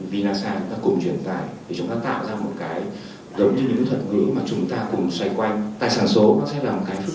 vinasa chúng ta cùng truyền tài để chúng ta tạo ra một cái giống như những thuật ngữ mà chúng ta cùng xoay quanh